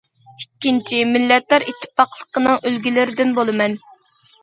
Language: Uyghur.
ئىككىنچى، مىللەتلەر ئىتتىپاقلىقىنىڭ ئۈلگىلىرىدىن بولىمەن.